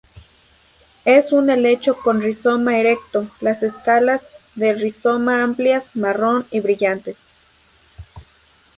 Es un helecho con rizoma erecto, las escalas de rizoma amplias, marrón y brillantes.